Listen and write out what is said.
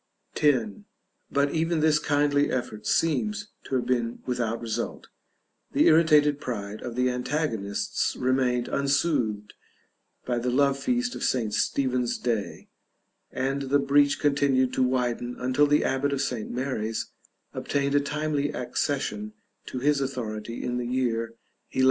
" § X. But even this kindly effort seems to have been without result: the irritated pride of the antagonists remained unsoothed by the love feast of St. Stephen's day; and the breach continued to widen until the abbot of St. Mary's obtained a timely accession to his authority in the year 1125.